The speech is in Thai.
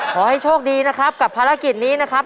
ขอให้โชคดีนะครับกับภารกิจนี้นะครับ